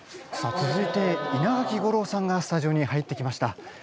さっ続いて稲垣吾郎さんがスタジオに入ってきました。